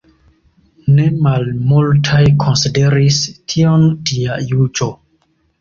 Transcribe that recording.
Ne malmultaj konsideris tion dia juĝo.